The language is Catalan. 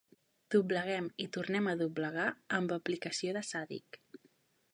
Dobleguem i tornem a doblegar amb aplicació de sàdic.